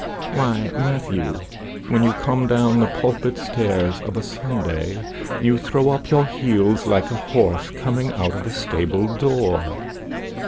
"Why, Matthew, when you come down the pulpit stairs of a Sunday, you throw up your heels like a horse coming out of a stable door."